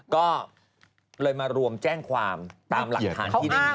ก็เลยมารวมแจ้งความตามหลักฐานที่นี่